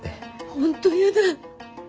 本当やだ。